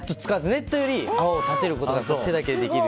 ネットより泡を立てることができる。